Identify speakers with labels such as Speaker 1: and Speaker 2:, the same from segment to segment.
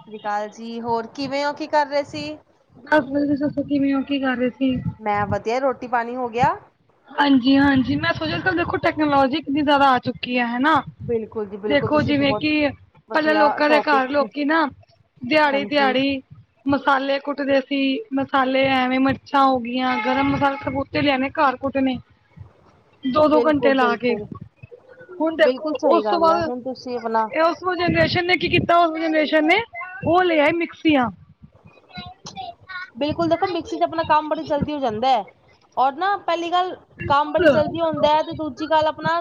Speaker 1: ਸਤਿ ਸ਼੍ਰੀ ਅਕਾਲ ਜੀ ਹੋਰ ਕਿਵੇਂ ਹੋ ਕੀ ਕਰ ਰਹੇ ਸੀ
Speaker 2: ਹਸਬੈਂਡ ਦੀ ਦੱਸੋ ਕਿਵੇਂ ਉਹ ਕੀ ਕਰ ਰਹੇ ਸੀ
Speaker 1: ਮੈਂ ਵਧੀਆ ਰੋਟੀ ਪਾਣੀ ਹੋ ਗਿਆ
Speaker 2: ਹਾਂਜੀ ਹਾਂਜੀ ਮੈਂ ਸੋਚਿਆੱਲ ਦੇਖੋ ਟੈਕਨੋਲੋਜੀ ਕਿੰਨੀ ਜ਼ਿਆਦਾ ਆ ਚੁੱਕੀ ਹੈ ਹਨਾ
Speaker 1: ਬਿਲਕੁਲ ਜੀ ਬਿਲਕੁਲ
Speaker 2: ਦੇਖੋ
Speaker 1: ਤੁਸੀਂ
Speaker 2: ਜਿਵੇਂ
Speaker 1: ਬਹੁਤ
Speaker 2: ਕਿ ਪਹਿਲਾਂ
Speaker 1: ਵਧੀਆ
Speaker 2: ਲੋਕਾਂ ਦੇ ਘਰ
Speaker 1: ਟੋਪਿਕ
Speaker 2: ਲੋਕੀ ਨਾ ਦਿਹਾੜੀ
Speaker 1: ਹਾਂਜੀ
Speaker 2: ਦਿਹਾੜੀ ਮਸਾਲੇ ਕੁੱਟਦੇ ਸੀ ਮਸਾਲੇ ਐਵੇਂ ਮਿਰਚਾਂ ਹੋ ਗਈਆਂ ਗਰਮ ਮਸਾਲੇ ਸਭ ਉੱਤੇ ਲਿਆਣੇ ਘਰ ਕੁਟਣੇ ਦੋ ਦੋ ਘੰਟੇ
Speaker 1: ਬਿਲਕੁਲ
Speaker 2: ਲਾ ਕੇ
Speaker 1: ਬਿਲਕੁਲ
Speaker 2: ਹੁਣ ਦੇਖੋ
Speaker 1: ਬਿਲਕੁਲ ਸਹੀ
Speaker 2: ਉਸ ਤੋਂ
Speaker 1: ਗੱਲ ਹੈ
Speaker 2: ਬਾਅਦ
Speaker 1: ਹੁਣ ਤੁਸੀਂ ਆਪਣਾ
Speaker 2: ਇਹ ਉਸ ਜਨਰੇਸ਼ਨ ਨੇ ਕੀ ਕੀਤਾ ਉਸ ਜਨਰੇਸ਼ਨ ਨੇ ਉਹ ਲੇ ਆਏ ਮਿਕਸੀਆਂ
Speaker 1: ਟਣ ਬਿਲਕੁਲ ਦੇਖੋ ਮਿਕਸੀ ਚ ਆਪਣਾ ਕੰਮ ਬੜੀ ਜਲਦੀ ਹੋ ਜਾਂਦਾ ਹੈ ਔਰ ਨਾ ਪਹਿਲੀ ਗੱਲ ਕੰਮ ਬੜੀ ਜਲਦੀ ਹੁੰਦਾ ਹੈ ਤੇ ਦੂਜੀ ਗੱਲ ਆਪਣਾ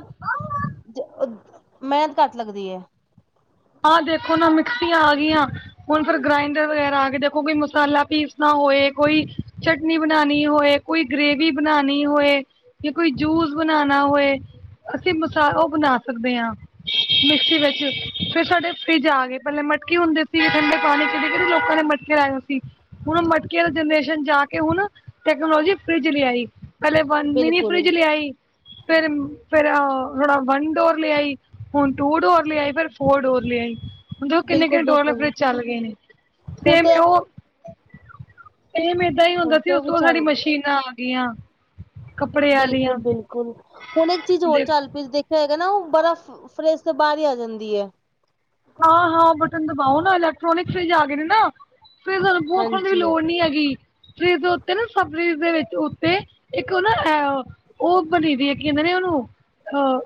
Speaker 1: ਮਿਹਨਤ ਘੱਟ ਲੱਗਦੀ ਹੈ
Speaker 2: ਆਹ ਦੇਖੋ ਨਾ ਮਿਕਸੀਆਂ ਆ ਗਈਆਂ ਹੁਣ ਫਿਰ ਗ੍ਰਾਇੰਡਰ ਵਗੈਰਾ ਆ ਗਏ ਦੇਖੋ ਕੋਈ ਮਸਾਲਾ ਪੀਸਨਾ ਹੋਏ ਕੋਈ ਚਟਨੀ ਬਣਾਉਣੀ ਹੋਏ ਕੋਈ ਗ੍ਰੇਵੀ ਬਣਾਉਣੀ ਹੋਏ ਜਾਂ ਕੋਈ ਜੂਸ ਬਣਾਣਾ ਬਣਾ ਹੋਏ ਅਸੀਂ ਮਸ ਉਹ ਬਣਾ ਸਕਦੇ ਹਾਂ ਮਿਕਸੀ ਵਿੱਚ ਫੇਰ ਸਾਡੇ ਫਰਿੱਜ ਆ ਗਏ ਪਹਿਲੇ ਮਟਕੇ ਹੁੰਦੇ ਸੀ ਠੰਡੇ ਪਾਣੀ ਚ ਵੀ ਕਹਿੰਦੇ ਲੋਕਾਂ ਨੇ ਮਟਕੇ ਲਾਏ ਹੋਏ ਸੀ। ਹੁਣ ਮਟਕੇ ਜਨਰੇਸ਼ਨ ਜਾ ਕੇ ਹੁਣ ਟੈਕਨੋਲੋਜੀ ਫਰਿੱਜ ਲੇ ਆਈ ਪਹਿਲੇ ਵਨ ਮਿਨੀ
Speaker 1: ਬਿਲਕੁਲ
Speaker 2: ਫਰਿੱਜ ਲਿਆਈ ਫੇਰ ਫੇਰ ਆ ਥੋੜਾ ਵੰਨ ਡੋਰ ਲੇ ਆਈ ਹੁਣ ਟੂ ਡੋਰ ਲੇ ਆਈ ਫਿਰ ਫੋਰ ਡੋਰ ਲੀ ਆਈ ਹੁਨ ਦੇਖੋ ਕਿੰਨੇ
Speaker 1: ਬਿਲਕੁਲ
Speaker 2: ਕਿੰਨੇ ਡੋਰ ਦੇ
Speaker 1: ਬਿਲਕੁਲ
Speaker 2: ਫਰਿੱਜ ਚੱਲ ਗਏ ਨੇ ਤੇ ਉਹ ਸੇਮ ਏਦਾਂ ਹੀ
Speaker 1: ਹੁਣ
Speaker 2: ਹੁੰਦਾ ਸੀ
Speaker 1: ਤੇ
Speaker 2: ਉਸ
Speaker 1: ਉਹ ਵੀ
Speaker 2: ਤੋਂ ਬਾਦ ਸਾਡੀ
Speaker 1: ਚੱਲ
Speaker 2: ਮਸ਼ੀਨਾਂ ਆ ਗਈਆਂ ਕੱਪੜੇ
Speaker 1: ਬਿਲਕੁਲ
Speaker 2: ਵਾਲੀਆਂ
Speaker 1: ਬਿਲਕੁਲ ਹੁਣ ਇੱਕ ਚੀਜ਼ ਹੋਰ
Speaker 2: ਦੇਖ
Speaker 1: ਚੱਲ ਪਈ ਦੇਖੋ ਦੇਖਿਆ ਨਾ ਓਹ ਬਰਫ਼ ਫਰਿੱਜ ਦੇ ਬਾਹਰ ਹੀ ਆ ਜਾਂਦੀ ਹੈ
Speaker 2: ਹਾਂ ਹਾਂ ਬਟਨ ਦਬਾਓ ਨਾ ਇਲੈਕਟ੍ਰੋਨਿਕ ਫਰਿੱਜ ਆ ਗਏ ਨੇ ਨਾ ਫੇਰ ਸਾਨੂੰ ਬੁਆ ਖੋਲਣ ਦੀ ਵੀ
Speaker 1: ਹਾਂਜੀ
Speaker 2: ਲੋੜ ਨੀ ਹੈਗੀ ਫਰਿਜ ਦੇ ਉੱਤੇ ਨਾ ਸਬਜੀ ਦੇ ਵਿੱਚ ਉੱਤੇ ਇੱਕ ਉਹ ਨਾ ਉਹ ਘੜੀ ਦੇਖ ਕੇ ਤੇ ਨੀ ਉਹਨੂੰ ਅਹ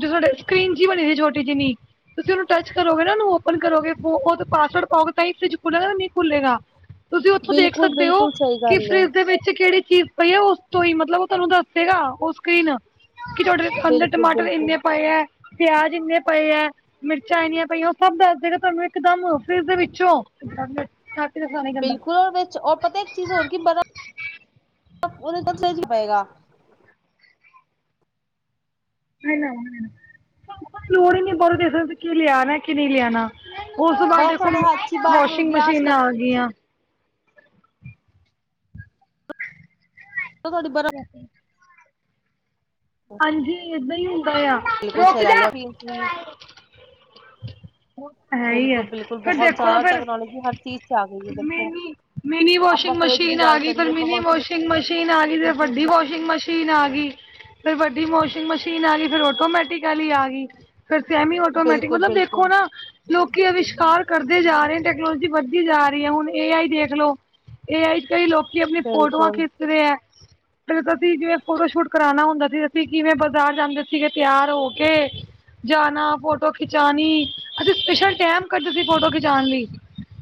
Speaker 2: ਜੋ ਸਾਡੇ ਸਕਰੀਨ ਜਿਹੀ ਬਣੀ ਸੀ ਛੋਟੀ ਜਿਨੀ ਤੁਸੀਂ ਉਹਨੂੰ ਟਚ ਕਰੋਗੇ ਨਾ ਓਹਨੂੰ ਓਪਨ ਕਰੋਗੇ ਉਹ ਪਾਸਵਰਡ ਪਾਓਗੇ ਤਾਂ ਹੀ ਫਰਿੱਜ ਖੁੱਲੇਗਾ ਨਹੀਂ ਤਾਂ ਨਹੀਂ ਖੁੱਲੇਗਾ ਤੁਸੀਂ ਉੱਥੋਂ ਦੇਖ
Speaker 1: ਬਿਲਕੁਲ
Speaker 2: ਸਕਦੇ ਹੋ
Speaker 1: ਬਿਲਕੁਲ ਸਹੀ
Speaker 2: ਕਿ
Speaker 1: ਗੱਲ ਹੈ
Speaker 2: ਫਰਿੱਜ ਦੇ ਵਿੱਚ ਕਿਹੜੀ ਚੀਜ਼ ਪਈ ਹੈ ਉਸ ਤੋਂ ਹੀ ਮਤਲਬ ਉਹ ਤੁਹਾਨੂੰ ਦੱਸੇਗਾ ਉਹ ਸਕਰੀਨ ਕਿ ਤੁਹਾਡੇ ਅੰਦਰ
Speaker 1: ਬਿਲਕੁਲ
Speaker 2: ਟਮਾਟਰ
Speaker 1: ਬਿਲਕੁਲ।
Speaker 2: ਇੰਨੇ ਪਏ ਹੈ ਪਿਆਜ ਇੰਨੇ ਪਏ ਹੈ ਚਾਈਨੀਆਂ ਪਈਆਂ ਉਹ ਸਭ ਦੱਸ ਦਏਗਾ ਤੁਹਾਨੂੰ ਇੱਕ ਦਮ ਫਰਿੱਜ ਦੇ ਵਿੱਚੋਂ ਦਾ ਖਾਣਾ ਹੀ ਗੰਦਾ
Speaker 1: ਬਿਲਕੁਲ ਓਦੇ ਵਿੱਚ ਓਹ ਪਤਾ ਇੱਕ ਚੀਜ਼ ਹੋਰ ਕੀ ਬਰਫ਼ ਉਹਦੇ [inaudible] ਨਹੀਂ ਪਏਗਾ
Speaker 2: ਨਹੀਂ ਲਿਆਣਾ ਦੀ ਲੋੜ ਹੀ ਨੀ ਬੋਲਣ ਦੀ ਕਿ ਲਿਆਣਾ ਕਿ ਨਹੀਂ ਲਿਆਉਣਾ ਉਸ ਤੋਂ ਬਾਅਦ
Speaker 1: ਬਰਫ਼
Speaker 2: ਦੇਖੋ
Speaker 1: ਤੁਹਾਡੇ ਹੱਥ ਚ ਹੀ ਬਾਹਰ
Speaker 2: ਵਾਸ਼ਿੰਗ
Speaker 1: ਗਿਲਾਸ
Speaker 2: ਮਸ਼ੀਨਾਂ
Speaker 1: ਕਰੋ
Speaker 2: ਆ ਗਈਆਂ
Speaker 1: ਤਾਂ ਤੁਹਾਡੀ ਬਰਫ਼
Speaker 2: ਐਹ ਹਾਂਜੀ ਏਦਾਂ ਹੀ ਹੁੰਦਾ ਆ
Speaker 1: ਬਿਲਕੁਲ
Speaker 2: ਰੁਕ
Speaker 1: ਸਹੀ
Speaker 2: ਜਾ
Speaker 1: ਗੱਲ ਹੈ
Speaker 2: ਹੈ ਹੀ ਹੈ
Speaker 1: ਬਿਲਕੁਲ ਬਿਲਕੁਲ
Speaker 2: ਫਿਰ
Speaker 1: ਬਹੁਤ
Speaker 2: ਦੇਖੋ ਨਾ
Speaker 1: ਜ਼ਿਆਦਾ
Speaker 2: ਫਿਰ
Speaker 1: ਟੈਕਨੋਲੋਜੀ ਹਰ ਚੀਜ਼ ਚ ਆ ਗਈ ਹੈ ਦੇਖੋ
Speaker 2: ਮਿਨੀ ਮਿਨੀ
Speaker 1: ਆਪਾਂ
Speaker 2: ਵਾਸ਼ਿੰਗ
Speaker 1: ਫਰਿਜ ਦੀ
Speaker 2: ਮਸ਼ੀਨ ਆ
Speaker 1: ਗੱਲ
Speaker 2: ਗਈ ਫਿਰ
Speaker 1: ਕਰੀਏ ਆਪਾਂ
Speaker 2: ਮਿਨੀ ਵਾਸ਼ਿੰਗ ਮਸ਼ੀਨ ਆ ਗਈ ਫੇਰ
Speaker 1: ਮਸ਼ੀਨ
Speaker 2: ਵੱਡੀ
Speaker 1: ਦੀ
Speaker 2: ਵਾਸ਼ਿੰਗ ਗ ਮਸ਼ੀਨ ਆ ਗਈ ਫਿਰ ਵੱਡੀ ਵਾਸ਼ਿੰਗ ਮਸ਼ੀਨ ਆ ਗਈ ਫਿਰ ਆਟੋਮੈਟਿਕ ਆਲੀ ਆ ਗਈ ਫਿਰ ਸੈਮੀ ਆਟੋਮੈਟਿਕ
Speaker 1: ਬਿਲਕੁਲ
Speaker 2: ਮਤਲਬ ਦੇਖੋ
Speaker 1: ਬਿਲਕੁਲ
Speaker 2: ਨਾ ਲੋਕੀ ਅਵਿਸ਼ਕਾਰ ਕਰਦੇ ਵਧਦੇ ਜਾ ਰਹੇ ਟੈਕਨੋਲੋਜੀ ਵਧਦੀ ਜਾ ਰਹੀ ਹੈ ਹੁਣ ਏ ਆਈ ਦੇਖ ਲੋ ਏ ਆਈ ਤੇ ਈ ਲੋਕੀ ਆਪਣੀ ਫੋਟੋਆਂ
Speaker 1: ਬਿਲਕੁਲ
Speaker 2: ਖਿੱਚ ਖਿੱਚਦੇ ਆ ਜਿਵੇਂ ਫੋਟੋ ਸ਼ੂਟ ਕਰਾਉਣਾ ਹੁੰਦਾ ਤੇ ਅਸੀਂ ਕਿਵੇਂ ਬਾਜ਼ਾਰ ਜਾਂਦੇ ਸੀਗੇ ਤਿਆਰ ਹੋ ਕੇ ਜਾਣਾ ਫੋਟੋ ਖਿਚਾਉਣੀ ਅੱਛਾ ਸਪੈਸ਼ਲ ਟੈਮ ਕੱਢਦੇ ਸੀ ਫੋਟੋ ਖਿਚਾਉਣ ਲਈ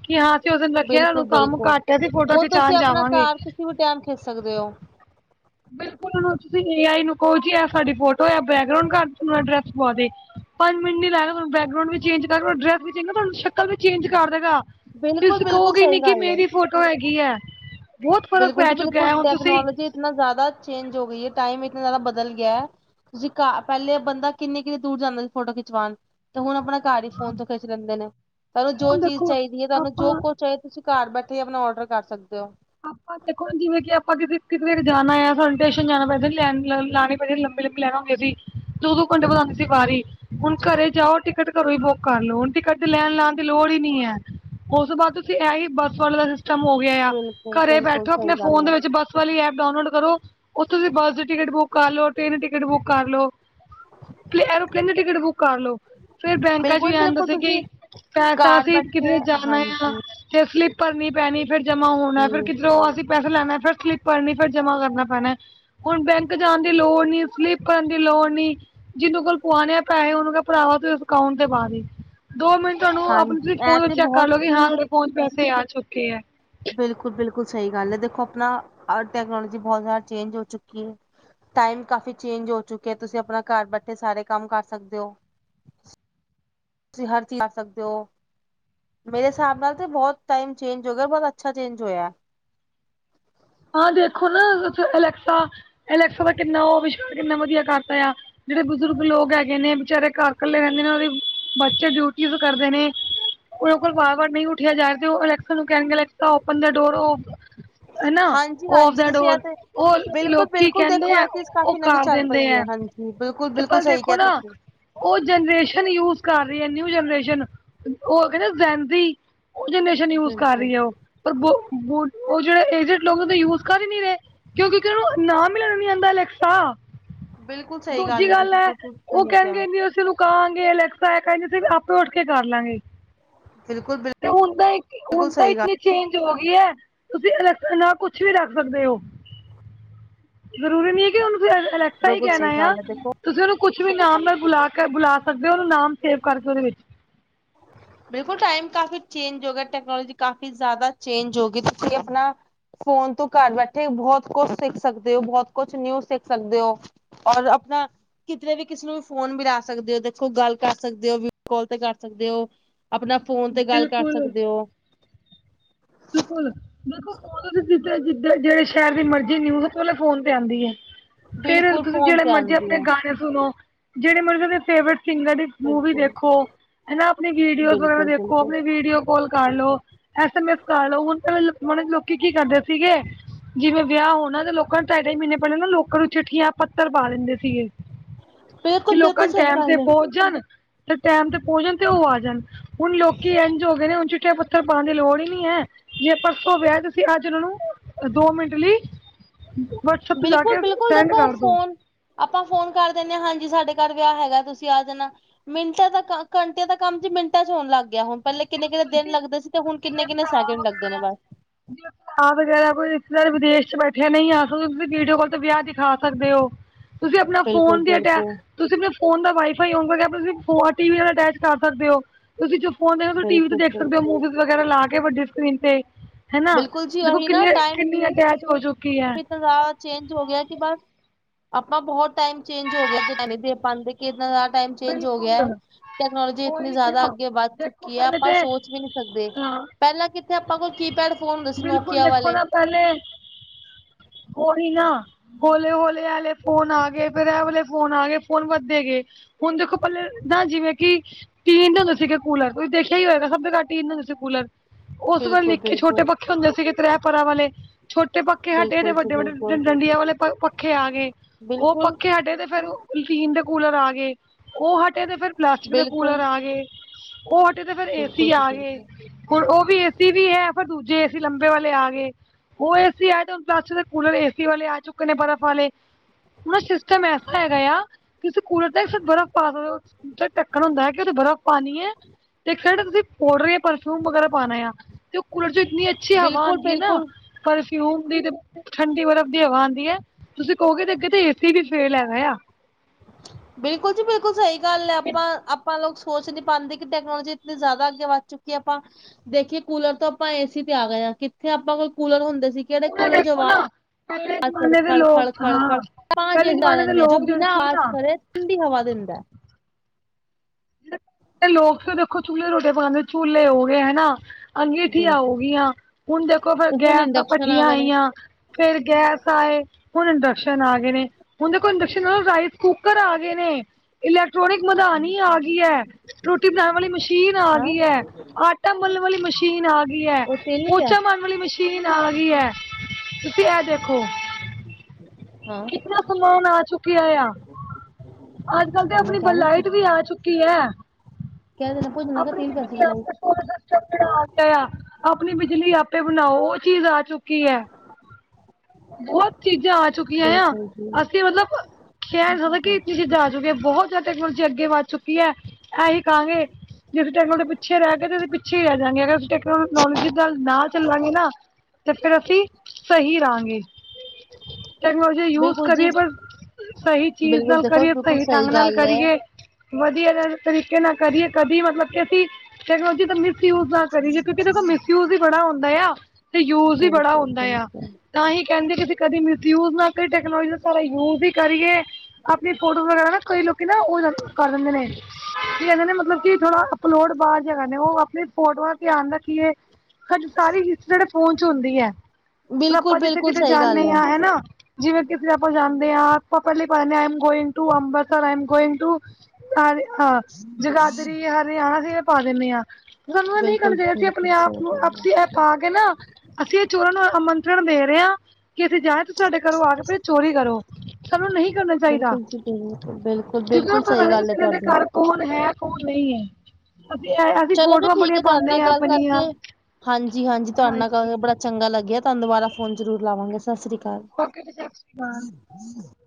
Speaker 2: ਕਿ ਹਾਂ ਅਸੀਂ ਉਸ ਦਿਨ ਰੱਖਿਆ
Speaker 1: ਬਿਲਕੁਲ
Speaker 2: ਤੁਹਾਨੂੰ ਕੰਮ
Speaker 1: ਬਿਲਕੁਲ
Speaker 2: ਘੱਟ ਹੈ ਅਸੀ ਫੋਟੋ
Speaker 1: ਹੁਣ ਤੁਸੀਂ
Speaker 2: ਖਿਚਾਉਣ
Speaker 1: ਆਪਣਾ
Speaker 2: ਜਾਵਾਂਗੇ
Speaker 1: ਕਾਰ ਕਿਸੇ ਵੀ ਟਾਈਮ ਖਿੱਚ ਸਕਦੇ [unintelligible]
Speaker 2: ਬਿਲਕੁਲ ਹੁਨ ਤੁਸੀਂ ਏ ਆਈ ਨੂੰ ਕਹੋ ਜੀ ਇਹ ਸਾਡੀ ਫੋਟੋ ਬੈਕਗਰਾਂਊਡ ਘਰ ਐਡਰੈਸ ਪਾ ਦੇ ਪੰਜ ਮਿੰਟ ਨੀ ਲੈਣੇ ਤੁਹਾਨੂੰ ਬੈਕਗਰਾਊਂਡ ਵੀ ਚੇਂਜ ਕਰ ਤੁ ਡਰੈਸ ਵੀ ਚੇਂਜ ਤੁਹਾਡੀ ਸ਼ਕਲ ਵੀ ਚੇਜ ਕਰ ਦੇਗਾ ਤੇ
Speaker 1: ਬਿਲਕੁਲ
Speaker 2: ਤੁਸੀਂ
Speaker 1: ਬਿਲਕੁਲ
Speaker 2: ਕਹੋਗੇ
Speaker 1: ਸਹੀ
Speaker 2: ਨੀ ਕਿ
Speaker 1: ਗੱਲ ਹੈ।
Speaker 2: ਮੇਰੀ ਫੋਟੋ ਹੈਗੀ ਹੈ ਬਹੁਤ ਫ਼ਰਕ
Speaker 1: ਬਿਲਕੁਲ
Speaker 2: ਪੈ
Speaker 1: ਜੀ
Speaker 2: ਚੁੱਕਿਆ
Speaker 1: ਬਿਲਕੁਲ
Speaker 2: ਹੈ ਹੁਣ ਤੁਸੀਂ
Speaker 1: ਟੈਕਨੋਲੋਜੀ ਇਤਨਾ ਜ਼ਿਆਦਾ ਚੇਂਜ ਹੋ ਗਈ ਹੈ ਟਾਈਮ ਇਤਨਾ ਜ਼ਿਆਦਾ ਬਦਲ ਗਿਆ ਹੈ ਤੁਸੀਂ ਘ, ਪਹਿਲੇ ਬੰਦਾ ਕਿੰਨੇ ਕਿੰਨੇ ਦੂਰ ਜਾਂਦਾ ਸੀ ਫੋਟੋ ਖਿਚਵਾਉਣ, ਤੇ ਹੁਣ ਆਪਣਾ ਘਰ ਹੀ ਫੋਨ ਤੋਂ ਖਿੱਚ ਲੈਂਦੇ ਨੇ, ਤੁਹਾਨੂੰ ਜੋ
Speaker 2: ਹੁਣ
Speaker 1: ਚੀਜ਼
Speaker 2: ਦੇਖੋ
Speaker 1: ਚਾਹੀਦੀ ਹੈ ਤੁਹਾਨੂੰ ਜੋ
Speaker 2: ਆਪਾਂ
Speaker 1: ਕੁਛ ਚਾਹੇ ਤੁਸੀਂ ਘਰ ਬੈਠੇ ਆਪਣਾ ਔਰਡਰ ਕਰ ਸਕਦੇ ਹੋ
Speaker 2: ਆਪਾਂ ਦੇਖੋ ਜਿਵੇਂ ਕਿ ਆਪਾਂ ਕਿਤੇ ਕਿਧਰੇ ਵੀ ਜਾਣਾ ਆ, ਸਾਨੂੰ ਸਟੇਸ਼ਨ ਜਾਣਾ ਪੈਂਦਾ ਲਾਈਨ ਬੜੀ ਲੰਬੀ ਪਹਿਲਾਂ ਆਪਾਂ ਲੈਣ ਆਂਦੇ ਸੀ, ਦੋ ਦੋ ਘੰਟੇ ਬਾਦ ਆਉਂਦੀ ਸੀ ਵਾਰੀ ਹੁਣ ਘਰੇ ਜਾਓ ਟਿਕਟ ਘਰੋਂ ਹੀ ਬੁੱਕ ਕਰ ਲੋ, ਹੁਣ ਟਿਕਟ ਦੀ ਲੈਣ ਲਾਣ ਦੀ ਲੋੜ ਹੀ ਨਹੀਂ ਹੈ ਉਸ ਤੋਂ ਬਾਅਦ ਤੁਸੀਂ ਇਹ ਹੀ ਬੱਸ ਵਾਲਾ ਸਿਸਟਮ ਹੋ ਗਿਆ
Speaker 1: ਬਿਲਕੁਲ
Speaker 2: ਘਰੇ
Speaker 1: ਬਿਲਕੁਲ
Speaker 2: ਬੈਠੋ,
Speaker 1: ਸਹੀ
Speaker 2: ਆਪਣੇ
Speaker 1: ਗੱਲ
Speaker 2: ਫੋਨ ਦੇ
Speaker 1: ਹੈ
Speaker 2: ਵਿੱਚ ਬੱਸ ਵਾਲੀ ਐਪ ਡਾਊਨਲੋਡ ਕਰੋ ਉੱਥੋਂ ਦੀ ਬੱਸ ਦੀ ਟਿਕਟ ਬੁੱਕ ਕਰ ਲੋ ਟ੍ਰੇਨ ਟਿਕਟ ਬੁੱਕ ਕਰ ਲੋ, ਪ ਐਰੋਪਲੇਨ ਦੀ ਟਿਕਟ ਬੁੱਕ ਕਰ ਲੋ ਫੇਰ ਬੈਂਕਾਂ ਚ
Speaker 1: ਬਿਲਕੁਲ
Speaker 2: ਵੀ ਆਂ
Speaker 1: ਬਿਲਕੁਲ
Speaker 2: ਦੱਸੇ
Speaker 1: ਤੁਸੀਂ
Speaker 2: ਕਿ ਪੈਸਾ,
Speaker 1: ਘਰ
Speaker 2: ਅਸੀਂ
Speaker 1: ਬੈਠੇ
Speaker 2: ਕਿਧਰੇ ਜਾਣਾ ਆ
Speaker 1: ਹਾਂਜੀ
Speaker 2: ਫੇਰ ਸਲਿਪ ਭਰਨੀ ਪੈਣੀ, ਫਿਰ ਜਮਾ ਹੋਣਾ ਫਿਰ ਕਿਧਰੋ ਉਹ ਅਸੀਂ ਪੈਸੇ ਲੈਣਾ, ਫਿਰ ਸਲਿੱਪ ਭਰਨੀ ਫ਼ਿਰ ਜਮ੍ਹਾਂ ਕਰਨਾ ਪੈਣਾ ਹੁਣ ਬੈਂਕ ਜਾਣ ਦੀ ਲੋੜ ਨੀ, ਸਲੀਪ ਭਰਣ ਦੀ ਲੋੜ ਨੀ ਜਿਹਨੂੰ ਕੋਲ ਪਵਾਣੇ ਆ ਪੈਸੇ, ਉਹਨੂੰ ਕਹਿ ਭਰਾਵਾ ਤੂੰ ਇਸ ਅਕਾਊਂਟ ਤੇ ਪਾ ਦੇ ਦੋ ਮਿੰਟ ਤੁਹਾਨੂੰ ਆਪਣੇ
Speaker 1: ਹਾਂਜੀ
Speaker 2: ਤੁਸੀਂ
Speaker 1: ਇਹ
Speaker 2: ਫੋਨ
Speaker 1: ਤੇ
Speaker 2: ਚੈੱਕ ਕਰ ਲਓਗੇ, ਹਾਂ
Speaker 1: ਬਹੁਤ
Speaker 2: ਤੁਹਾਡੇ ਫੋਨ ਚ ਪੈਸੇ ਆ ਚੁੱਕੇ ਆ
Speaker 1: ਬਿਲਕੁਲ ਬਿਲਕੁਲ ਸਹੀ ਗੱਲ ਹੈ, ਦੇਖੋ ਆਪਣਾ ਟੈਕਨੋਲੋਜੀ ਬਹੁਤ ਜ਼ਿਆਦਾ ਚੇਂਜ ਹੋ ਚੁੱਕੀ ਹੈ ਟਾਈਮ ਕਾਫੀ ਚੇਂਜ ਹੋ ਚੁੱਕਿਆ, ਤੁਸੀਂ ਆਪਣਾ ਘਰ ਬੈਠੇ ਸਾਰੇ ਕੰਮ ਕਰ ਸਕਦੇ ਹੋ ਤੁਸੀਂ ਹਰ ਚੀਜ਼, ਕਰ ਸਕਦੇ ਹੋ ਮੇਰੇ ਹਿਸਾਬ ਨਾਲ ਤੇ ਬਹੁਤ ਟਾਈਮ ਚੇਂਜ ਹੋ ਗਿਆ, ਬਹੁਤ ਅੱਛਾ ਚੇਂਜ ਹੋਇਆ
Speaker 2: ਹਾਂ ਦੇਖੋ ਨਾ ਉਥ ਅਲੈਕਸਾ ਅਲੈਕਸਾ ਦਾ ਕਿੰਨਾ ਉਹ ਵਿਸ਼ਵਾਸ ਕਿੰਨਾ ਵਧੀਆ ਕਰਤਾ ਆ ਜਿਹੜੇ ਬਜ਼ੁਰਗ ਲੋਕ ਹੈਗੇ ਨੇ ਬਚਾਰੇ ਘਰ ਇਕੱਲੇ ਰਹਿੰਦੇ ਨੇ, ਉਹਦੇ ਬੱਚੇ ਡਿਊਟੀਜ਼ ਕਰਦੇ ਨੇ ਉਹਦੇ ਕੋਲ ਵਾਰ ਵਾਰ ਨਹੀਂ ਉੱਠਿਆ ਜਾ ਰਿਹਾ, ਤੇ ਉਹ ਅਲੈਸਾ ਨੂੰ ਕਹਿਣਗੇ ਓਪਨ ਦਾ ਡੋਰ, ਔ ਹੈਨਾ
Speaker 1: ਹਾਂਜੀ ਹਾਂਜੀ ਤੁਸੀਂ ਇਹ ਤੇ ਬਿਲਕੁਲ
Speaker 2: ਲੋਕੀ
Speaker 1: ਬਿਲਕੁਲ
Speaker 2: ਕਹਿੰਦੇ
Speaker 1: ਦੇਖੋ
Speaker 2: ਆ
Speaker 1: ਇਹ ਚੀਜ਼
Speaker 2: ਉਹ
Speaker 1: ਕਾਫ਼ੀ ਨਵੀਂ
Speaker 2: ਕਰ
Speaker 1: ਚੱਲ
Speaker 2: ਦਿੰਦੇ
Speaker 1: ਪਈ ਹੈ, ਹਾਂਜੀ ਜ ਬਿਲਕੁਲ ਬਿਲਕੁਲ
Speaker 2: ਪਰ
Speaker 1: ਸਹੀ
Speaker 2: ਦੇਖੋ
Speaker 1: ਕਿਹਾ
Speaker 2: ਨਾ
Speaker 1: ਤੁਸੀਂ
Speaker 2: ਉਹ ਜਨਰੇਸ਼ਨ ਯੂਜ ਕਰ ਰਹੀ ਹੈ ਨਿਊ ਜਨਰੇਸ਼ਨ, ਉਹ ਹੈਗੇ ਨਾ ਜ਼ੈਨਜ਼ੀ ਉਹ ਜਨਰੇਸ਼ਨ ਯੂਜ ਕਰ
Speaker 1: ਬਿਲਕੁਲ
Speaker 2: ਰਹੀ ਹੈ ਉਹ, ਪਰ ਬ ਉਹ ਜਿਹੜੇ ਅਜੇਡ ਔ ਤੇ ਯੂਜ ਕਰ ਨੀ ਰਹੇ ਕਿਉਂਕਿ ਉਹਨੂੰ ਨਾਮ ਨੀ ਲੈਣਾ ਨੀ ਆਉਂਦਾ ਅਲੈਕਸਾ
Speaker 1: ਬਿਲਕੁਲ ਸਹੀ ਗੱਲ ਹੈ ਤੁਸੀਂ ਬਿਲਕੁਲ ਸਈ
Speaker 2: ਕਹਿਣਗੇ ਵੀ ਅਸੀਂ ਕਹਾਂਗੇ ਅਲੈਕਸਾ ਐ ਕਰ ਕਹਿੰਦੇ ਅਸੀ ਆਪੇ ਉੱਠ ਕੇ ਕਰ ਲਾਂਗੇ
Speaker 1: ਬਿਲਕੁਲ
Speaker 2: ਤੇ ਹੁਣ ਤਾਂ
Speaker 1: ਬਿਲਕੁਲ
Speaker 2: ਹੁਣ ਤਾਂ
Speaker 1: ਸਹੀ ਗੱਲ
Speaker 2: ਇਤਨੀ ਚੇਂਜ ਹੋ ਗਈ ਹੈ ਤੁਸੀਂ ਅਲੈਕਸਾ ਨਾ ਕੁਛ ਵੀ ਰੱਖ ਸਕਦੇ ਹੋ, ਜ਼ਰੂਰੀ ਨਹੀਂ ਤੇ ਉਹਨੂੰ ਫੇਰ ਅਲੈਕਸਾ ਹੀ
Speaker 1: ਬਿਲਕੁਲ
Speaker 2: ਕਹਿਣਾ
Speaker 1: ਸਹੀ
Speaker 2: ਆ
Speaker 1: ਗੱਲ ਹੈ ਦੇਖੋ
Speaker 2: ਤੁਸੀਂ ਉਹਨੂੰ ਕੁੱਛ ਵੀ ਨਾਮ ਨਾਲ ਬੁਲਾ ਕੇ ਬੁਲਾ ਸਕਦੇ ਹੋ ਓਨੂੰ ਨਾਮ ਸੇਵ ਕਰਕੇ ਓਦੇ ਵਿੱਚ
Speaker 1: ਬਿਲਕੁਲ ਟਾਈਮ ਕਾਫ਼ੀ ਚੇਂਜ ਹੋ ਗਿਆ ਟੈਕਨੋਲੋਜੀ ਕਾਫੀ ਜ਼ਿਆਦਾ ਚੇਂਜ ਹੋ ਗਈ ਤੁਸੀਂ ਆਪਣਾ ਫੋਨ ਤੋਂ ਘਰ ਬੈਠੇ ਈ ਬਹੁਤ ਕੁਛ ਸਿੱਖ ਸਕਦੇ ਹੋ ਬਹੁਤ ਕੁਛ ਨਿਊ ਸਿੱਖ ਸਕਦੇ ਹੋ ਔਰ ਆਪਣਾ ਕਿਧਰੇ ਵੀ ਕਿਸੇ ਨੂੰ ਵੀ ਫੋਨ ਮਿਲਾ ਸਕਦੇ ਹੋ ਦੇਖੋ ਗੱਲ ਕਰ ਸਕਦੇ ਹੋ ਵੀਡੀਓ ਕਾਲ ਤੇ ਕਰ ਸਕਦੇ ਹੋ ਆਪਣਾ ਫੋਨ ਤੇ ਗੱਲ ਕਰ
Speaker 2: ਬਿਲਕੁਲ
Speaker 1: ਸਕਦੇ ਹੋ
Speaker 2: ਬਿਲਕੁਲ ਦੇਖੋ ਫੋਨ ਜ ਜਿੱਦ ਜਿਹੜੇ ਸ਼ਹਿਰ ਦੀ ਮਰਜ਼ੀ ਨਊਜ਼ ਪਹਿਲੇ ਫੋਨ ਤੇ ਆਉਂਦੀ ਹੈ ਫੇਰ
Speaker 1: ਬਿਲਕੁਲ
Speaker 2: ਤੁਸੀਂ
Speaker 1: ਫੋਨ
Speaker 2: ਜਿਹੜੇ
Speaker 1: ਤੇ
Speaker 2: ਮਰਜ਼ੀ
Speaker 1: ਆਉਂਦੀ
Speaker 2: ਆਪਣੇ
Speaker 1: ਹੈ
Speaker 2: ਗਾਣੇ ਸੁਣੋ ਜਿਹੜੇ ਮਰਜ਼ੀ ਉਦੇ ਫੇਵਰੇਟ ਸਿੰਗਰ ਦੀ ਮੂਵੀ
Speaker 1: ਬਿਲਕੁਲ
Speaker 2: ਦੇਖੋ ਹੈਨਾ ਆਪਣੀ ਵੀਡੀਓ ਵਗੈਰਾ
Speaker 1: ਬਿਲਕੁਲ
Speaker 2: ਦੇਖੋ
Speaker 1: ਬਿਲਕੁਲ
Speaker 2: ਆਪਣੀ ਵੀਡੀਓ ਕਾਲ ਕਰ ਲੋ ਐਸ ਐਮ ਐ ਕਰ ਲਓ ਹੁਣ ਤਾਂ ਹੁ ਲੋਕੀ ਕੀ ਕਰਦੇ ਸੀਗੇ ਜਿਵੇਂ ਵਿਆਹ ਹੋਨਾ, 'ਤੇ ਲੋਕਾਂ ਨੂੰ ਢਾਈ- ਢਾਈ ਮ੍ਹੀਨੇ ਪਹਿਲਾ ਨਾ ਲੋਕਾਂ ਨੂੰ ਚਿੱਠੀਆਂ-ਪੱਤਰ ਪਾ ਦਿੰਦੇ ਸੀਗੇ। ਕੇ
Speaker 1: ਬਿਲਕੁਲ
Speaker 2: ਲੋਕਾਂ
Speaker 1: ਬਿਲਕੁਲ
Speaker 2: ਨੂੰ
Speaker 1: ਸਹੀ
Speaker 2: ਟੈਮ 'ਤੇ
Speaker 1: ਗੱਲ ਹੈ
Speaker 2: ਪਹੁੰਚ ਜਾਨ। 'ਤੇ ਟੈਮ ਤੇ ਪਹੁੰਚਨ ਤੇ ਉਹ ਆ ਜਾਨ, ਹੁਨ ਲੋਕੀ ਐੰਜ ਹੋ ਗਏ ਨੇ ਹੁਨ ਚਿੱਠੀਆਂ-ਪੱਤਰ ਪਾਨ ਦੀ ਲੋੜ ਈ ਕੀ ਐ, ਜੇ ਪਰਸੋਂ ਵਿਆਹ ਤੁਸੀਂ ਅੱਜ ਉਨਾਂ ਨੂੰ ਦੋ ਮਿੰਟ ਲੀ, ਵਟਸਐਪ ਤੇ ਜਾ ਕੇ
Speaker 1: ਬਿਲਕੁਲ-ਬਿਲਕੁਲ
Speaker 2: ਸੈਂਡ
Speaker 1: ਦੇਖੋ
Speaker 2: ਕਰਦੋ।
Speaker 1: ਫੋਨ ਆਪਾਂ ਫੋਨ ਕਰ ਦਿੰਨੇ, ਹਾਂਜੀ ਸਾਡੇ ਘਰ ਵਿਆਹ ਹੈਗਾ, ਤੁਸੀਂ ਆ ਜਾਨਾ। ਮਿੰਟਾਂ ਦਾ ਕ, ਘੰਟੇ ਦਾ ਕੰਮ ਜੀ ਮਿੰਟਾਂ 'ਚ ਹੋਨ ਲੱਗ ਗਿਆ ਹੁਨ। ਪੈਂਲੇ ਕਿੰਨੇ-ਕਿੰਨੇ ਦਿਨ ਲਗਦੇ ਸੀ 'ਤੇ ਹੁਨ ਕਿੰਨੇ-ਕਿੰਨੇ ਸੈਕਿੰਡ ਲਗਦੇ ਨੇ, ਬਸ।
Speaker 2: ਮਤਲਬ ਆਹ ਵਗੈਰਾ, ਕੋਈ ਇਸ ਵਿਦੇਸ਼ 'ਚ ਬੈਠਿਆ ਨਈ ਆ ਸਕਦੇ, ਤੁਸੀਂ ਵੀਡੀਓ ਕੋਲ ਤੇ ਵਿਆਹ ਦਿਖਾ ਸਕਦੇ ਓ। ਤੁਸੀਂ ਆਪਨਾ ਫੋਨ 'ਤੇ ਅਟੈਕ
Speaker 1: ਬਿਲਕੁਲ-ਬਿਲਕੁਲ,
Speaker 2: ਤੁਸੀਂ ਆਪਨੇ ਫੋਨ ਦਾ ਵਾਈ-ਫਾਈ ਔਨ ਕਰਕੇ ਅਪਨੇ ਫੋਨ ਟੀ, ਵੀ, ਅਟੈਚ ਕਰ ਸਕਦੇ ਓ। ਤੁਸੀਂ ਜੋ ਫੋਨ ਦੇ ਟੀ, ਵੀ, 'ਤੇ ਦੇਖ
Speaker 1: ਬਿਲਕੁਲ-ਬਿਲਕੁਲ। ਬਿਲਕੁਲ
Speaker 2: ਸਕਦੇ ਓ,
Speaker 1: ਬਿਲਕੁਲ
Speaker 2: ਮੂਵੀਜ਼ ਵਗੈਰਾ ਲਾ ਕੇ ਵੱਡੀ ਸਕਰੀਨ ''ਤੇ। ਹੈਨਾ,
Speaker 1: ਬਿਲਕੁਲ ਜੀ
Speaker 2: ਦੇਖੋ
Speaker 1: ਉਹੀ
Speaker 2: ਕਿੰਨੀ- ਕਿੰਨੀ ਅਟੈਚ ਹੋ ਚੁੱਕੀ ਐ।
Speaker 1: ਇਸ ਤੋ ਬਾਦ ਚੇਂਜ ਹੋ ਗਿਐ ਕਿ, ਬਸ। ਆਪਾਂ ਬੋਤ ਟਾਈਮ ਚੇਂਜ ਹੋ ਗਿਐ, ਜਿਨਾ ਦੇ ਪਾਂਦੇ ਕਿ ਇਦਾਂ ਦਾ ਟਾਈਮ ਚੇਂਜ ਹੋ ਗਿਐ।
Speaker 2: ਬਿਲਕੁਲ
Speaker 1: ਟੈਕਨੋਲੋਜੀ ਇਤਨੀ
Speaker 2: ਉਹੀ ਤੇ
Speaker 1: ਜਾਦਾ
Speaker 2: ਨਾ
Speaker 1: ਅੱਗੇ ਵੱਦ
Speaker 2: ਦੇਖੋ
Speaker 1: ਚੁੱਕੀ ਐ,
Speaker 2: ਪਹਿਲੇ
Speaker 1: ਆਪਾਂ
Speaker 2: ਤੇ
Speaker 1: ਸੋਚ ਵੀ ਨੀ ਸਕਦੇ,
Speaker 2: ਹਾਂ
Speaker 1: ਪੈਲਾਂ ਕਿ 'ਤੇ ਆਪਾਂ ਕੋਲ ਕੀਪੈਡ ਫੋਨ ਹੁੰਦੇ ਸੀ, ਨੋਕੀਆ ਵਾਲੇ।
Speaker 2: ਓਈ ਨਾ, ਓਲੇ-ਓਲੇ ਆਲੇ ਫੋਨ ਆ ਗਏ। ਫਿਰ ਐਹ ਵਾਲੇ ਫੋਨ ਆ ਗਏ, ਫੋਨ ਵੱਧੇ ਗਏ। ਹੁਨ ਦੇਖੋ ਪਲੇ, ਨਾ ਜਿਵੇਂ ਕਿ ਟੀਨ ਦੇ ਹੁੰਦੇ ਸੀਗੇ ਕੂਲਰ, ਕੋਈ ਦੇਖਿਆ ਈ ਹੋਏਗਾ। ਸਭ ਦੇ ਘਰ ਟੀਨ ਦੇ ਹੁੰਦੇ ਸੀ ਕੂਲਰ। ਓਸ ਵਾਰ ਲਿਖ ਕੇ
Speaker 1: ਬਿਲਕੁਲ-ਬਿਲਕੁਲ।
Speaker 2: ਛੋਟੇ ਪ ਪੱਖੇ ਹੁੰਦੇ ਸੀਗੇ ਤ੍ਰੈ ਪਰਾਂ ਵਾਲੇ। ਛੋਟੇ ਪੱਖੇ ਹਟੇ ਤੇ
Speaker 1: ਬਿਲਕੁਲ ਜੀ
Speaker 2: ਵੱਡੇ ਵੱਡੇ
Speaker 1: ਬਿਲਕੁਲ,
Speaker 2: ਡੰਡੀਆਂ ਵਾਲੇ ਪੱਖੇ ਆ ਗਏ। ਉਹ
Speaker 1: ਬਿਲਕੁਲ,
Speaker 2: ਪੱਖੇ ਹਟੇ ਤੇ ਫੇਰ ਲਟੀਨ ਦੇ ਕੂਲਰ ਆ ਗਏ, ਓ ਹਟੇ 'ਤੇ ਫਿਰ ਪਲਾਸਟਿਕ ਦੇ
Speaker 1: ਬਿਲਕੁਲ,
Speaker 2: ਕੂਲਰ ਆ ਗਏ। ਓ ਹਟੇ 'ਤੇ ਫਿਰ ਏ,
Speaker 1: ਬਿਲਕੁਲ
Speaker 2: ਸੀ,
Speaker 1: ਜੀ
Speaker 2: ਆ ਗਏ,
Speaker 1: ਬਿਲਕੁਲ।
Speaker 2: ਹੁਨ ਓ ਵੀ ਏ, ਸੀ, ਵੀ ਐ, ਫਿਰ ਦੂਜੇ ਏ, ਸੀ, ਲੰਬੇ ਵਾਲੇ ਆ ਗਏ਼। ਉਹ ਏ, ਸੀ, ਆਏ 'ਤੇ ਪਲਾਸਟਿਕ ਦੇ ਕੂਲਰ ਏ, ਸੀ, ਵਾਲੇ ਆ ਚੁੱਕੇ ਨੇ, ਬਰਫ਼ ਵਾਲੇ। ਓਹ ਨਾ ਸਿਸਟਮ ਐਸਾ ਹੈਗਾ ਆ, ਕਿ ਤੁਸੀਂ ਕੂਲਰ ਅਹ, ਪਾਗਲ! ਉਤੇ ਢੱਕਣ ਹੁੰਦੈ, ਕਿ ਉਹਦੇ ਬਰਫ਼, ਪਾਨੀ ਏ। ਤੇ ਕੇੜਾ ਤੁਸੀਂ ਪੋਡਰ ਯਾ ਪਰਫਿਊਮ ਵਗੈਰਾ ਪਾਨੈ ਆ, 'ਤੇ ਉਹ ਕੁਲਰ 'ਚ ਇੰਨੀ ਅੱਛੀ ਹਵਾ
Speaker 1: ਬਿਲਕੁਲ,
Speaker 2: ਆਂਦੀ ਏ ਨਾ,
Speaker 1: ਬਿਲਕੁਲ।
Speaker 2: ਪਰਫਿਊਮ ਦੀ 'ਤੇ ਠੰਡੀ ਵਰਫ ਦੀ ਹਵਾ ਆਂਦੀ ਐ, ਤੁਸੀਂ ਕਹੋਗੇ, ਏਦੇ ਅੱਗੇ ਤੇ ਏ, ਸੀ, ਵੀ ਫੇਲ ਹੈਗੈ ਆ।
Speaker 1: [inaudible] ਬਿਲਕੁਲ ਜੀ, ਬਿਲਕੁਲ ਸਹੀ ਗੱਲ ਐ। ਆਪਾਂ -ਆਪਾਂ ਲੋਕ ਸੋਚ ਨੀ ਪਾਂਦੇ ਕਿ ਟੈਕਨੋਲੋਜੀ ਇਤਨੀ ਜਾਦਾ ਅੱਗੇ ਵੱਧ ਚੁ ਕਿ ਆਪਾਂ ਦੇਖੀਏ, ਕੂਲਰ ਤੋਂ ਆਪਾਂ ਏ, ਸੀ, ਤੇ ਆ ਗਏ ਆ। ਕਿੱਥੇ ਆਪਾਂ ਕੋਲ ਕੂਲਰ ਹੁੰਦੇ ਸੀ। ਕੇੜੇ
Speaker 2: ਹੁਣ ਇਹ
Speaker 1: ਕੂਲਰ 'ਚ
Speaker 2: ਦੇਖੋ
Speaker 1: ਵਾ?
Speaker 2: ਨਾ ਪਹਿਲੇ
Speaker 1: ਅੱਜ-ਕੱਲ
Speaker 2: ਜ਼ਮਾਨੇ ਦੇ
Speaker 1: ਖੜ -ਖੜ
Speaker 2: ਲੋਕ
Speaker 1: -ਖੜ
Speaker 2: ਹਾਂ
Speaker 1: -ਖੜ ਤਾਂ ਜੇ
Speaker 2: ਪਹਿਲੇ
Speaker 1: ਜਾ
Speaker 2: ਜ਼ਮਾਨੇ ਦੇ
Speaker 1: ਲੈਂਨੇ ਆ, ਜੋ
Speaker 2: ਲੋਕ ਜਿਹੜੇ
Speaker 1: ਬਿਨਾ
Speaker 2: ਸੀ
Speaker 1: ਆਵਾਜ
Speaker 2: ਨਾ
Speaker 1: ਕਰੇ ਠੰਡੀ ਹਵਾ ਦਿੰਦੈ।
Speaker 2: 'ਤੇ ਲੋਕ ਤੇ ਦੇਖੋ, ਚੂਲ੍ਹੇ ਰੋਟੇ ਪਕਾਨੇ, ਚੂਲ੍ਹੇ ਹੋ ਗਏ, ਹੈਨਾ? ਅੰਗੀਠੀਆ
Speaker 1: ਬਿਲਕੁਲ
Speaker 2: ਹੋ ਗੀਆਂ, ਹੁਨ ਦੇਖੋ ਫਿਰ
Speaker 1: ਤੇ ਹੁਣ
Speaker 2: ਗੈਸ ਤੇ
Speaker 1: ਇੰਡਕਸ਼ਨ ਆ
Speaker 2: ਭੱਠੀਆਂ
Speaker 1: ਗਏ ਨੇ
Speaker 2: ਆਈਆਂ। ਫੇਰ ਗੈਸ ਆਏ, ਹੁਨ ਇੰਡਕਸ਼ਨ ਆ ਗਏ ਨੇ। ਹੁਨ ਦੇਖੋ, ਇੰਡਕਸ਼ਨ ਨਾਲ ਰਾਈਸ ਕੁੂੱਕਰ ਆ ਗਏ ਨੇ। ਇਲੈਕਟ੍ਰੋਨਿਕ ਮਧਾਨੀ ਆ ਗਈ ਐ, ਰੋਟੀ ਬਨਾਨ ਵਾਲੀ ਮਸ਼ੀਨ ਆ
Speaker 1: ਹਾਂ
Speaker 2: ਗਈ ਐ। ਹੈ, ਆਟਾ ਮਲਨ ਵਾਲੀ ਮਸ਼ੀਨ ਆ ਗਈ ਐ,
Speaker 1: ਉਹ ਤੇਲ ਨੀ ਪਿਆ
Speaker 2: ਪੋਚਾ ਮਾਰਨ ਵਾਲੀ ਵਾਲੀ ਮਸ਼ੀਨ ਆ ਗਈ ਐ, ਤੁਸੀਂ ਐਹ ਦੇਖੋ
Speaker 1: ਹਾਂ
Speaker 2: ਕਿਤਨਾ ਸਮਾਨ ਆ ਚੁੱਕਿਐ ਆ, ਅੱਜ-ਕੱਲ 'ਤੇ
Speaker 1: ਤਾਂ ਮੈਂ
Speaker 2: ਆਪਣੀ
Speaker 1: ਕਹਿ ਰਹੀ
Speaker 2: ਬਲਾਈਟ ਵੀ ਆ ਚੁੱਕੀ ਐ।
Speaker 1: ਕੈਅ ਦੇ ਨਾ, ਪੂਜ ਲੰਕਾ ਤੀਨ ਘਰ 'ਚ ਲੜਾਈ। [unintelligible]
Speaker 2: ਆਪਣੀ ਬਿਜਲੀ ਆਪੇ ਬਣਾਓ ਉਹ ਚੀਜ਼ ਆ ਚੁੱਕੀ ਹੈ। ਬਹੁਤ ਚੀਜ਼ਾਂ ਚੁੱਕੀੀਆਂ ਆ
Speaker 1: ਬਿਲਕੁਲ ਜੀ।
Speaker 2: ਅਸੀਂ ਮਤਲਬ ਕਹਿਣ
Speaker 1: ਅੱਛਾ,
Speaker 2: ਸਕਦਾ ਕਿ
Speaker 1: ਤੇ
Speaker 2: ਇਨੀ ਚੀਜ਼ਾਂ ਆ ਚੁੱਕੀਆਂ ਬਹੁਤ ਟੈਕਨੋਲਜੀ ਅੱਗੇ ਵੱਧ ਚੁੱਕੀ ਹੈ ਇਹੀ ਕਹਾਂਗੇ ਜੇ ਅਸੀ ਟੈਕਨੌਲਜੀ ਦੇ ਪਿੱਛੇ ਰਹਿ ਗੇ ਤੇ ਉਹਦੇ ਪਿੱਛੇ ਹੀ ਰਹ ਜਾਂਾਂਗੇ ਅਗਰ ਅਸੀਂ ਟੈਕਨੋੋਲੋਜੀ ਨਾਲ ਚੱਲਾਂਗੇ ਨਾ ਤੇ ਫਿਰ ਅਸੀਂ ਸਹੀ ਰਹਾਂਗੇ ਟੈਕਨੌਲਜੀ ਦਾ ਯੂਜ
Speaker 1: ਬਿਲਕੁਲ ਜੀ
Speaker 2: ਕਰੀਏ, ਬ ਸਹੀ ਚੀਜ਼
Speaker 1: ਬਿਲਕੁਲ
Speaker 2: ਨਾਲ
Speaker 1: ਦੇਖੋ
Speaker 2: ਕਰੀਏ,
Speaker 1: ਬਿਲਕੁਲ
Speaker 2: ਸਹੀ ਢੰਗ ਨਾਲ
Speaker 1: ਗੱਲ ਹੈ
Speaker 2: ਕਰੀਏ। ਵਧੀਆ ਤਰੀਕੇ ਨਾਲ ਕਰੀਏ ਕਦੀ ਮਤਲਬ ਕਿ ਅਸੀਂ ਟੈਕਨੋਲੋਜੀ ਦਾ ਮਿਸਯੂਜ ਨਾ ਕਰੀਏ, ਕਿਉਂਕਿ ਦੇਖੋ ਮਿਸਯੂਜ ਵੀ ਬੜਾ ਹੁੰਦਾ ਆ, ਤੇ ਯੂਜ ਹੀ ਬੜਾ
Speaker 1: ਬਿਲਕੁਲ
Speaker 2: ਹੁੰਦਾ ਆ।
Speaker 1: ਬਿਲਕੁਲ
Speaker 2: ਤਾਂ ਹੀ ਕਹਿੰਦੇ ਕਿ ਅਸੀਂ ਕਦੇ ਮਿਸਯੂਜ ਨਾ ਕਰੀਏ, ਟੈਕਨੋਲੋਜੀ ਦਾ ਸਾਰਾ ਯੂਜ ਹੀ ਕਰੀਏ। ਆਪਣੀ ਫੋਟੋ ਵਗੈਰਾ ਨਾ ਕਈ ਲੋਕੀ ਨਾ ਉਹ ਕਰ ਦਿੰਦੇ ਨੇ, ਕੀ ਕਹਿੰਦੇ ਨੇ ਮਤ ਅਪਲੋਡ ਬਾਹਰ ਜਗਾ ਨੇ, ਉਹ ਆਪਣੀ ਫੋਟੋਆਂ ਧਿਆਨ ਰੱਖੀਏ। ਹਾਂਜੀ ਸਾਰੀ ਹਿਸਟਰੀ ਸਾਡੇ ਫੋਨ ਚ ਹੁੰਦੀ ਹੈ, ਹੁਣ
Speaker 1: ਬਿਲਕੁਲ
Speaker 2: ਆਪਾਂ ਜਿੱਥੇ
Speaker 1: ਬਿਲਕੁਲ
Speaker 2: ਕਿਤੇ
Speaker 1: ਸਹੀ ਗੱਲ
Speaker 2: ਜਾਂਦੇ
Speaker 1: ਹੈ
Speaker 2: ਹਾਂ ਹਨਾ ਜਿਵੇਂ ਕਿਸੀਂ ਆਪਾਂ ਜਾਂਦੇ ਹਾਂ, ਆਪਾਂ ਪਹਿਲੇ ਪਾ ਦਿਦੇ ਆ ਆਈਮ ਗੋਈਗ ਟੂ ਅੰਬਰਸਰ ਆਈਮ ਗੋਇਗ ਟੁ ਹਾਂ -ਹਾਂ ਜਗਾ ਜਗਾਧਰੀ ਹਰਿਆਣਾ ਸੀ ਇਹ ਪਾ ਦਿੰਦੇ ਹਾਂ, ਸਾਨੂੰ ਇਹ ਨਹੀਂ
Speaker 1: ਬਿਲਕੁਲ
Speaker 2: ਕਣਾ
Speaker 1: ਜੀ
Speaker 2: ਚਾਹੀਦਾ ਸੀ ਆਪਣੇ
Speaker 1: ਬਿਲਕੁਲ
Speaker 2: ਆਪ
Speaker 1: ਸਹੀ
Speaker 2: ਨੂੰ
Speaker 1: ਗੱਲ ਹੈ
Speaker 2: ਆਪ ਪਾ ਕੇ ਨਾ ਅਸੀਂ ਇਹ ਚੋਰਾਂ ਨੂੰ ਆਮੰਤਰਣ ਦੇ ਰਹੇ ਹਾਂ, ਕਿ ਅਸੀਂ ਜਾ ਰਏ ਆ ਤੇ ਸਾਡੇ ਘਰੋਂ ਆ ਕੇ ਚੋਰੀ ਕਰੋ। ਸਾਨੂੰ ਨਹੀਂ ਕਰਨਾ ਚਾਹੀਦਾ
Speaker 1: ਬਿਲਕੁਲ ਜੀ ਬਿਲਕੁਲ ਬਿਲਕੁਲ
Speaker 2: ਕਿਉਂਕਿ
Speaker 1: ਬਿਲਕੁਲ ਸਹੀ ਗੱਲ ਹੈ ਤੁਹਾਡੀ
Speaker 2: ਪਤਾ ਕੌਣ ਹੈ, ਕੌਣ ਨਹੀਂ ਹੈ। ਅਸੀਂ
Speaker 1: ਚਲੋ ਜੀ
Speaker 2: ਫੋਟੋਆਂ
Speaker 1: ਠੀਕ
Speaker 2: ਬੜੀਆਂ
Speaker 1: ਹੈ ਤੁਹਾਡੇ
Speaker 2: ਪਾਉਂਦੇ
Speaker 1: ਨਾਲ
Speaker 2: ਆ
Speaker 1: ਗੱਲ
Speaker 2: ਆਪਣੀਆਂ,
Speaker 1: ਕਰਕੇ ਹਾਂਜੀ ਤੁਹਾਡੇ ਨਾਲ
Speaker 2: ਹਾਂਜੀ
Speaker 1: ਗੱਲ ਬੜਾ ਚੰਗਾ ਲੱਗਿਆ ਤੁਹਾਨੂੰ ਦੁਬਾਰਾ ਫੋਨ ਜਰੂਰ ਲਾਵਾਂਗੇ ਸਤਿ ਸ਼੍ਰੀ ਅਕਾਲ।
Speaker 2: ਅਓਕੇ ਜੀ ਸਤ ਸ੍ਰੀ ਅਕਾਲ।
Speaker 1: ਹਮ [inaudible]